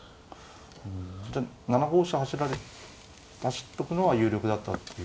じゃあ７五飛車走っとくのは有力だったっていう。